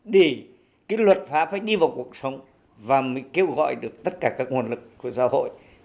để cái luật pháp phải đi vào cuộc sống và mới kêu gọi được tất cả các nguồn lực của xã hội